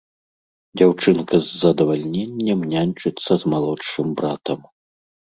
Дзяўчынка з задавальненнем няньчыцца з малодшым братам.